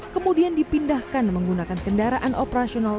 kemudian dipindahkan menggunakan kendaraan operasional